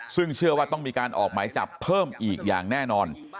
ซึ่งเชื่อว่าต้องมีการออกหมายจับเพิ่มอีกอย่างแน่นอน